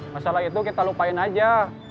masalah itu kita lupain aja